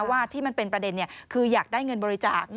ว่าที่มันเป็นประเด็นคืออยากได้เงินบริจาค